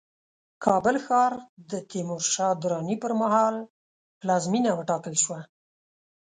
کابل ښار د تیمورشاه دراني پرمهال پلازمينه وټاکل شوه